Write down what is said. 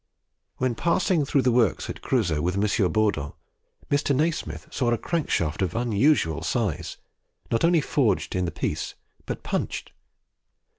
When passing through the works at Creusot with M. Bourdon, Mr. Nasmyth saw a crank shaft of unusual size, not only forged in the piece, but punched.